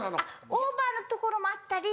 オーバーなところもあったり。